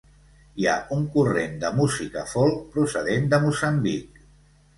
Hi ha un corrent de música folk procedent de Moçambic.